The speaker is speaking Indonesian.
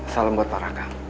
salam buat pak raka